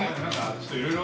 ちょっといろいろ。